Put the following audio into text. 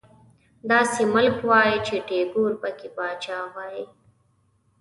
داسې ملک وای چې ټيګور پکې پاچا وای